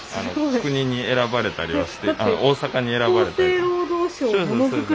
国に選ばれたりはして大阪に選ばれて。